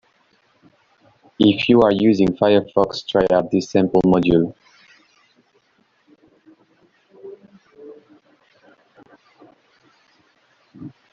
If you are using Firefox, try out this sample module.